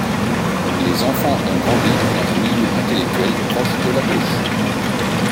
Les enfants ont grandi dans un milieu intellectuel proche de la gauche.